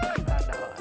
ini temen zamathi